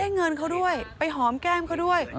เงินเขาด้วยไปหอมแก้มเขาด้วย